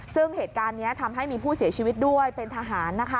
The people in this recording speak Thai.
ซึ่งเหตุการณ์นี้ทำให้มีผู้เสียชีวิตด้วยเป็นทหาร